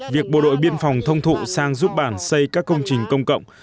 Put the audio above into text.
việc bộ đội biên phòng thông thụ sang giúp bản xây các công trình công cộng